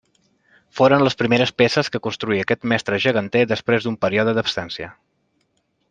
Foren les primeres peces que construí aquest mestre geganter després d'un període d'absència.